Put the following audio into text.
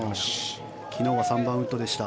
昨日は３番ウッドでした。